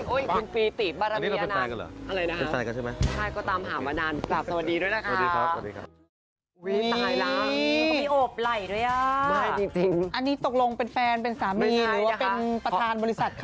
โอ้ยคุณฟรีตีบบารมีล่ะ